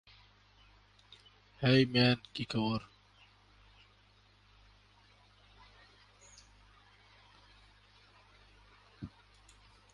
সাধারণ শেয়ার প্রদান করে।